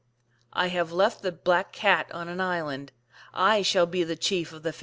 f " I have left the Black Cat on an island, I shall be the chief of the Fishers now